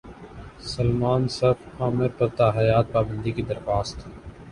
سلمان صف عامر پر تاحیات پابندی کی درخواست